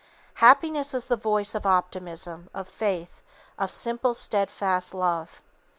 Happiness is the voice of optimism, of faith, of simple, steadfast love.